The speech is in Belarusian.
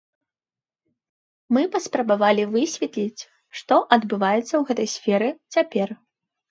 Мы паспрабавалі высветліць, што адбываецца ў гэтай сферы цяпер.